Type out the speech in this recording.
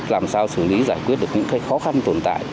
làm sao xử lý giải quyết được những khó khăn tồn tại